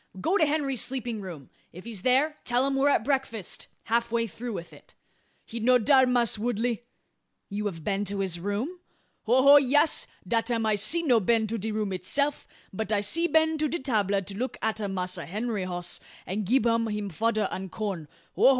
"Go to Henry's sleeping room. If he's there, tell him we're at breakfast half through with it." "He no dar, Mass' Woodley." "You have been to his room?" "Ho ho! Yas. Dat am I'se no been to de room itseff; but I'se been to de 'table, to look atter Massa Henry hoss; an gib um him fodder an corn. Ho ho!